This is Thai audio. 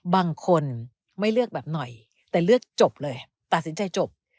บางคนไม่เลือกแบบหน่อยแต่เลือกจบเลยตัดสินใจจบ